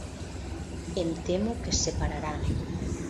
Em temo que es separaran.